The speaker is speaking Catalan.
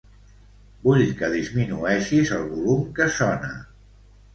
Vull que disminueixis el volum que sona.